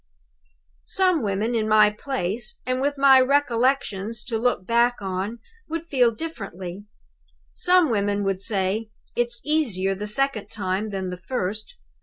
"Some women in my place, and with my recollections to look back on would feel it differently. Some women would say, 'It's easier the second time than the first.